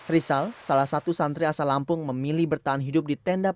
risal salah satu santri asal lampung memilih bertahan hidup di tenda